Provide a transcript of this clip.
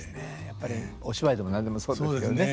やっぱりお芝居でも何でもそうですからね。